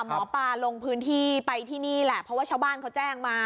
หมอปลาลงพื้นที่ไปที่นี่แหละเพราะว่าชาวบ้านเขาแจ้งมา